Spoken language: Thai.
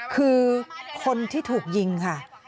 คือคนที่ถูกยิงค่ะ